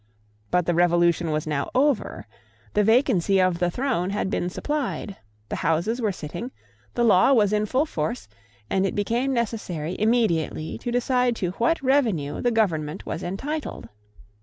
But the Revolution was now over: the vacancy of the throne had been supplied: the Houses were sitting: the law was in full force; and it became necessary immediately to decide to what revenue the Government was entitled.